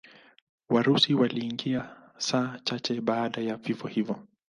Warusi waliingia saa chache baada ya vifo hivi.